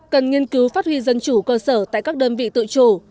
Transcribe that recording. cần nghiên cứu phát huy dân chủ cơ sở tại các đơn vị tự chủ